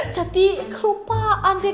jadi kelupaan deh